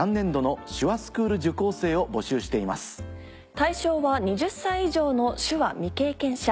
対象は２０歳以上の手話未経験者。